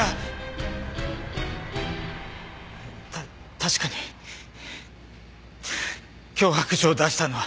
確かに脅迫状を出したのは私です。